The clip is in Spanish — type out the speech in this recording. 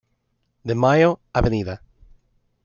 De Mayo, Av.